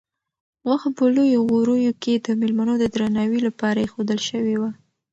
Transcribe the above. غوښه په لویو غوریو کې د مېلمنو د درناوي لپاره ایښودل شوې وه.